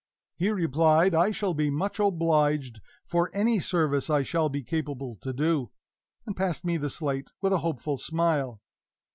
He replied: "I shall be much obliged for any service I shall be capable to do," and passed me the slate with a hopeful smile.